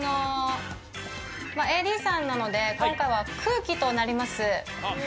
ＡＤさんなので、今回は空気となります。